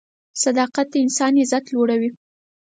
صداقت د انسان عزت لوړوي.